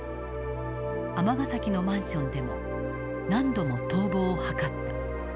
尼崎のマンションでも何度も逃亡を図った。